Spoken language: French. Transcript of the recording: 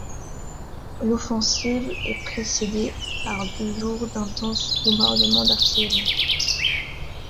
L'offensive est précédée par deux jours d'intenses bombardements d'artillerie.